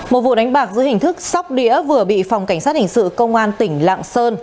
một vụ đánh bạc giữa hình thức sóc đĩa vừa bị phòng cảnh sát hình sự công an tỉnh lạng sơn